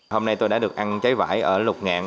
hôm nay tôi đã được ăn trái vải ở lục ngạn